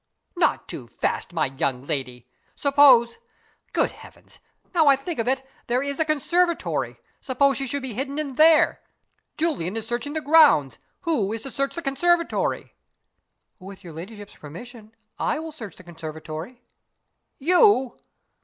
"Not too fast, my young lady! Suppose Good heavens! now I think of it, there is the conservatory. Suppose she should be hidden in there? Julian is searching the grounds. Who is to search the conservatory?" "With your ladyship's permission, I will search the conservatory." "You!!!"